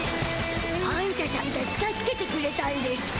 あんたしゃんたち助けてくれたんでしゅか？